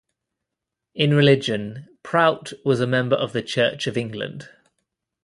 In religion, Prout was a member of the Church of England.